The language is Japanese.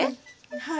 はい。